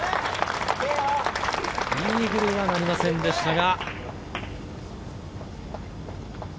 イーグルにはなりませんでしたが。